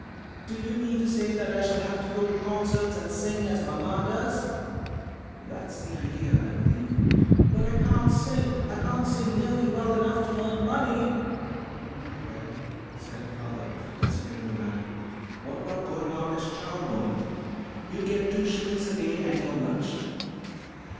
Do you mean to say that I shall have to go to concerts and sing as mamma does?" "That's the idea, I believe." "But I can't sing. I can't sing nearly well enough to earn money." "Well," said her father, after considering the matter, "what about going out as charwoman? You'd get two shillings a day and your lunch."